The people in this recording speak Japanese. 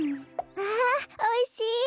ああおいしい！